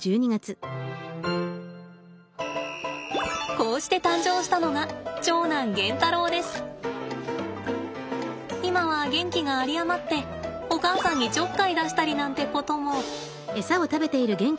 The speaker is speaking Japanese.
こうして誕生したのが今は元気が有り余ってお母さんにちょっかい出したりなんてことも。